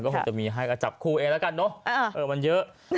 ก็มีให้กับจับคู่เองแล้วกันเนาะเออมันเยอะ